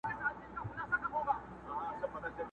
وزرماتي زاڼي ګرځي آشیانه له کومه راوړو،